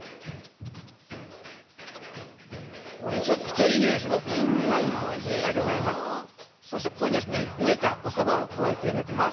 ◆めちゃくちゃいい匂いがします。